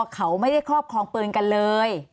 เขาไม่ได้ครอบครองปืนกันเลย